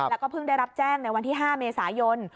แล้วก็เพิ่งได้รับแจ้งในวันที่๕เมษายน